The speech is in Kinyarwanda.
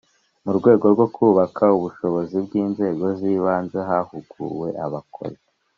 Mu rwego rwo kubaka ubushobozi bw inzego z ibanze hahuguwe abakozi